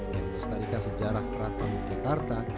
yang melestarikan sejarah keraton yogyakarta